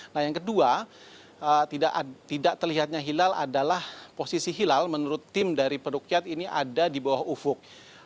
nah yang kedua tidak terlihatnya hilal adalah posisi hilal menurut tim dari perukyat ini ada di bawah ufuk